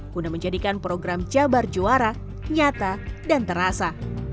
guna menjadikan program jabar juara nyata dan terasa